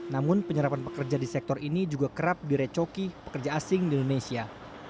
namun penyerapan pekerja di sektor ini juga kerap direcoki pekerja asing di indonesia